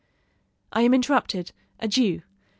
I am interrupted adieu!